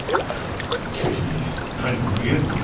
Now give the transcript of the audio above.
しかしなにも逃げずとも。